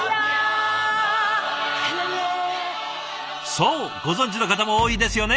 そうご存じの方も多いですよね。